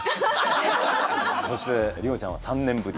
そして里帆ちゃんは３年ぶり。